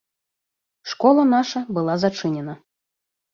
Школа наша была зачынена.